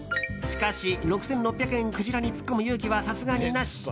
しかし、６６００円クジラに突っ込む勇気はさすがになし。